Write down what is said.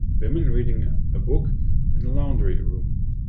Woman reading a book in a laundry room